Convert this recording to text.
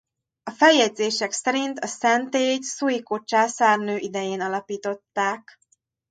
A feljegyzések szerint a szentélyt Szuiko Császárnő idején alapították.